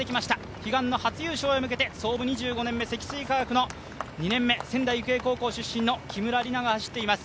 悲願の初優勝に向けて、創部２５年目、仙台育英高校出身の木村梨七が走っています。